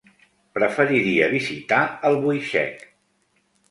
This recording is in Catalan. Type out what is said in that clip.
Preferiria visitar Albuixec.